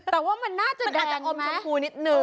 แต่ว่ามันน่าจะดแดง